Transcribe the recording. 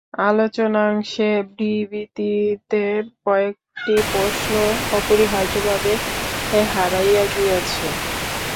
আলোচনাংশের বিবৃতিতে কয়েকটি প্রশ্ন অপরিহার্যভাবে হারাইয়া গিয়াছে।